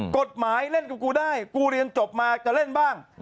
กฎหมายเล่นกับกูได้กูเรียนจบมาจะเล่นบ้าง